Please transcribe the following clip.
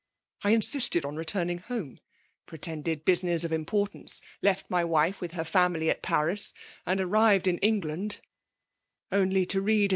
I insisted on returning home ; pretended business of importance, left my wife with her family at 210 FUIALB DOMIMATUnr. Paris, and anrived in England only to read io.